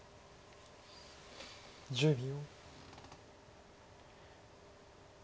１０秒。